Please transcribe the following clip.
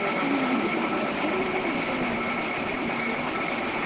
水きり不要でこんなふうにできるなんてびっくりです。